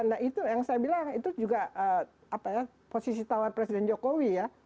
nah itu yang saya bilang itu juga posisi tawar presiden jokowi ya